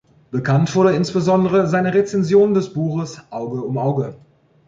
Bekannt wurde insbesondere seine Rezension des Buches "Auge um Auge.